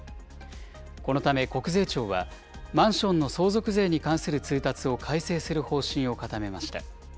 このため、国税庁は、マンションの相続税に関する通達を改正する方針を固めました。